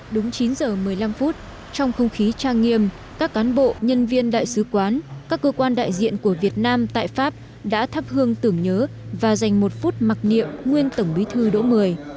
đúng chín giờ một mươi năm phút trong không khí trang nghiêm các cán bộ nhân viên đại sứ quán các cơ quan đại diện của việt nam tại pháp đã thắp hương tưởng nhớ và dành một phút mặc niệm nguyên tổng bí thư đỗ mười